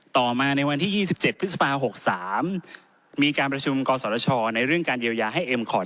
ต่อมาในวันที่๒๗พฤษภา๖๓มีการประชุมกศชในเรื่องการเยียวยาให้เอ็มคอร์ด